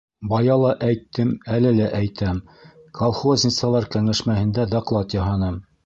Бая ла әйттем, әле лә әйтәм: колхозницалар кәңәшмәһендә доклад яһаным.